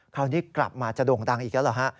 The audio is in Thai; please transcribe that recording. คราวนี้กลับมาจะโด่งดังอีกแล้วเหรอฮะ